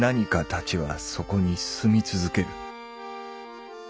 たちはそこに住み続ける。